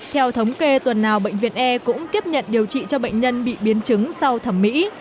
theo thống kê tuần nào bệnh viện e cũng tiếp nhận điều trị cho bệnh nhân bị biến chứng sau thẩm mỹ